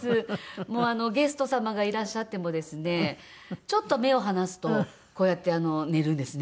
もうゲスト様がいらっしゃってもですねちょっと目を離すとこうやって寝るんですね。